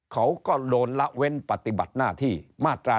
เขาก็โดนละเว้นปฏิบัติหน้าที่มาตรา๑